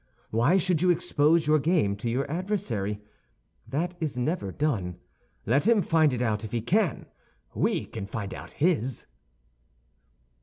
Why should you expose your game to your adversary? That is never done. Let him find it out if he can! We can find out his!"